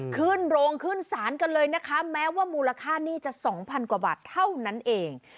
ขึ้นโรงขึ้นศาลกันเลยนะคะแม้ว่ามูลค่าหนี้จะ๒๐๐กว่าบาทเท่านั้นเอง